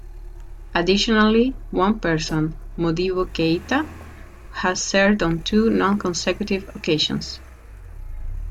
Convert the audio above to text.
Additionally, one person, Modibo Keita, has served on two non-consecutive occasions.